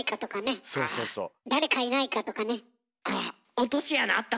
落とし穴あったか。